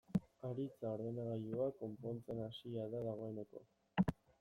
Aritza ordenagailua konpontzen hasia da dagoeneko.